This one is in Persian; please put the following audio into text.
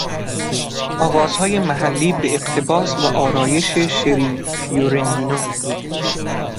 آوازهای محلی به اقتباس و آرایش شری فیورندینو